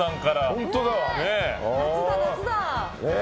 夏だ、夏だ。